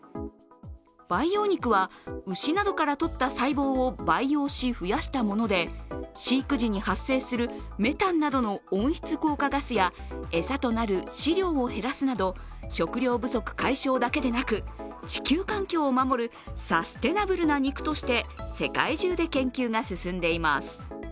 培養肉は牛などから取った細胞を培養し増やしたもので飼育時に発生するメタンなどの温室効果ガスや餌となる飼料を減らすなど食糧不足解消だけでなく、地球環境を守るサステイナブルな肉として世界中で研究が進んでいます。